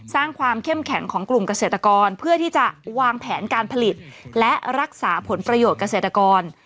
สร้างความเข้มแข็งของกลุ่มเกษตรกรเพื่อที่จะวางแผนการผลิตและรักษาผลประโยชน์เกษตรกร